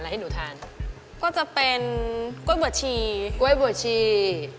แล้วรู้ไหมใครบวชให้ชี